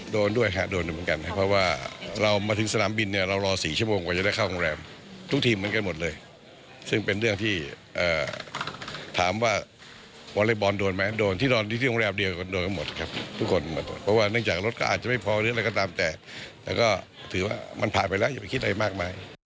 แต่ว่าตั้งใจจะไปทำชื่อเสียงให้กับประเทศชาตินะครับ